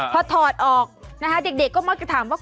พอถอดออกนะคะเด็กก็มักจะถามว่า